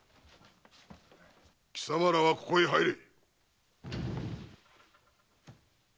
貴様らはここへ入れ！